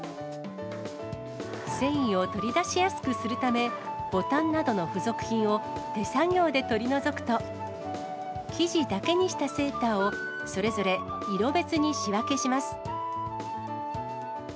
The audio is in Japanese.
繊維を取り出しやすくするため、ボタンなどの付属品を手作業で取り除くと、生地だけにしたセーターを、それぞれ色別に仕分けします。